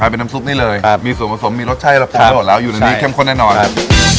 เป็นน้ำซุปนี้เลยมีส่วนผสมมีรสชัยรับทรัพย์หมดแล้วอยู่ในนี้เข้มข้นแน่นอน